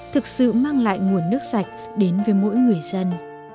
thực sự mang lại nguồn nước sạch đến với mỗi người dân